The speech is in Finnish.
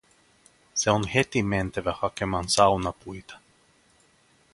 Se on heti mentävä hakemaan saunapuita.